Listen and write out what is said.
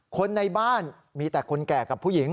คนในบ้านมีแต่คนแก่กับผู้หญิง